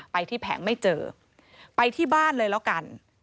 ไปที่แผงไม่เจอไปที่บ้านเลยแล้วกัน